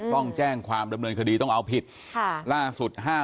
ต้องแจ้งความดำเนินคดีต้องเอาผิดค่ะล่าสุด